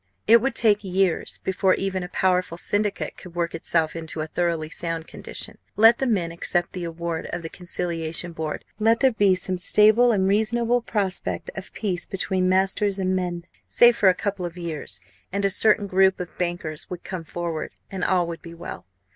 It would take years before even a powerful syndicate could work itself into a thoroughly sound condition. Let the men accept the award of the conciliation board; let there be some stable and reasonable prospect of peace between masters and men, say, for a couple of years; and a certain group of bankers would come forward; and all would be well.